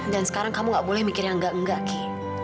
dan sekarang kamu gak boleh mikir yang enggak enggak ki